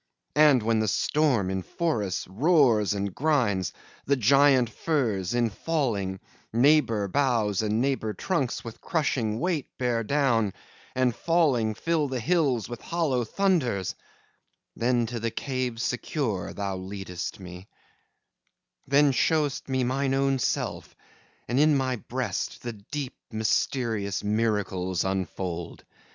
And when the storm in forests roars and grinds, The giant firs, in falling, neighbor boughs And neighbor trunks with crushing weight bear down, And falling, fill the hills with hollow thunders, Then to the cave secure thou leadest me, Then show'st me mine own self, and in my breast The deep, mysterious miracles unfold.